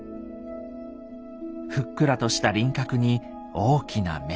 ふっくらとした輪郭に大きな目。